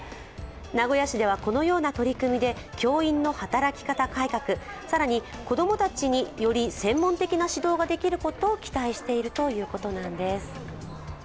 名古屋市ではこのような取り組みで教員の働き方改革、更に子供たちにより専門的な指導ができることを期待しているということなんです。